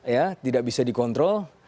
ya tidak bisa dikontrol